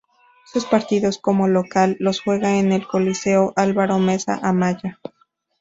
Sus partidos como local los juega en el Coliseo Álvaro Mesa Amaya.